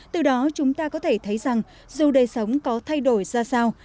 từ đó chúng ta có thể thấy rằng dù đời sống có thay đổi ra sao